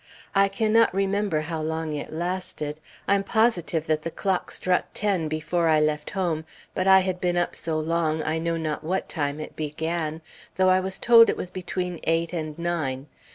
I cannot remember how long it lasted; I am positive that the clock struck ten before I left home, but I had been up so long, I know not what time it began, though I am told it was between eight and nine.